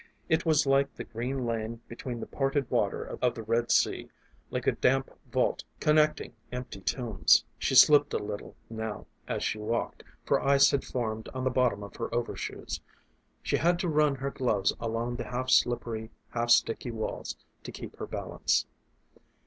It was like the green lane between the parted water of the Red Sea, like a damp vault connecting empty tombs. She slipped a little now as she walked, for ice had formed on the bottom of her overshoes; she had to run her gloves along the half slippery, half sticky walls to keep her balance.